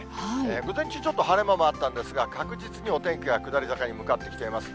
午前中、ちょっと晴れ間もあったんですが、確実にお天気は下り坂に向かってきています。